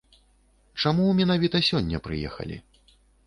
Чаму менавіта сёння прыехалі?